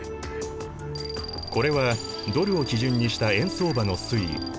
これはドルを基準にした円相場の推移。